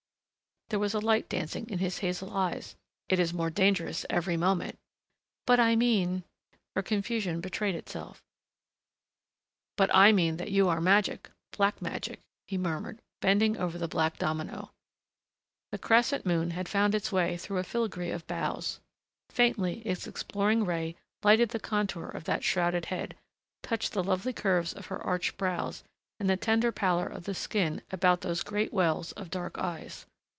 There was a light dancing in his hazel eyes. "It is more dangerous every moment " "But I mean " Her confusion betrayed itself. "But I mean that you are magic black magic," he murmured bending over the black domino. The crescent moon had found its way through a filigree of boughs. Faintly its exploring ray lighted the contour of that shrouded head, touched the lovely curves of her arched brows and the tender pallor of the skin about those great wells of dark eyes....